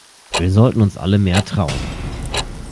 Wir sollten uns alle mehr trauen.